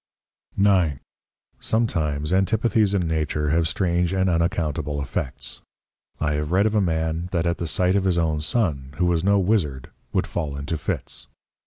9. Sometimes Antipathies in Nature have strange and unaccountable Effects. I have read of a Man that at the sight of his own Son, who was no Wizzard would fall into Fits.